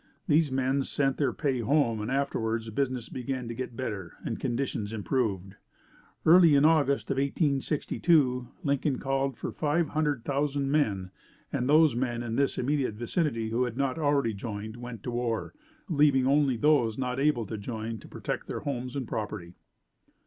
These men sent their pay home and afterward business began to get better and conditions improved. Early in August of 1862 Lincoln called for five hundred thousand men and those men in this immediate vicinity who had not already joined, went to war, leaving only those not able to join to protect their homes and property.